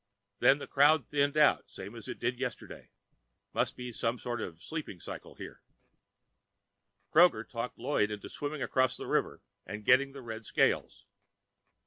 When the crowd thinned out, same as it did yesterday (must be some sort of sleeping cycle here), Kroger talked Lloyd into swimming across the river and getting the red scales.